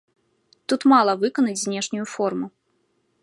Тут мала выканаць знешнюю форму.